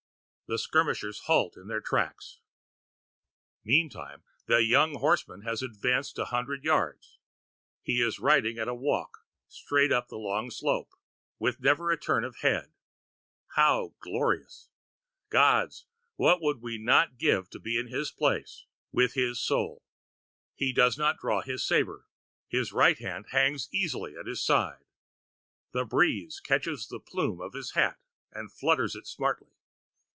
The skirmishers halt in their tracks. Meantime the young horseman has advanced a hundred yards. He is riding at a walk, straight up the long slope, with never a turn of the head. How glorious! Gods! what would we not give to be in his place with his soul! He does not draw his sabre; his right hand hangs easily at his side. The breeze catches the plume in his hat and flutters it smartly.